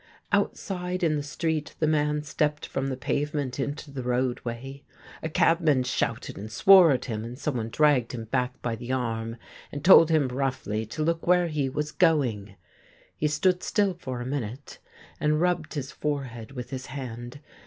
Outside in the street, the man stepped from the pavement into the roadway ; a cabman shouted and swore at him, and someone dragged him back by the arm, and told him roughly to look where he was going. He stood still for a minute, and rubbed his forehead with his hand.